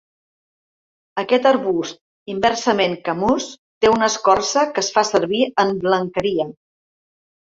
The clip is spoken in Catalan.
Aquest arbust inversament camús té una escorça que es fa servir en blanqueria.